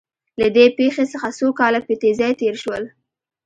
له دې پېښې څخه څو کاله په تېزۍ تېر شول